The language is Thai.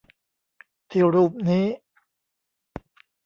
ที่รูปนี้